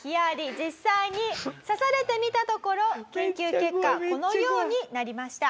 実際に刺されてみたところ研究結果このようになりました。